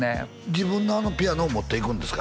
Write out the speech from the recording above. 自分のあのピアノを持っていくんですか？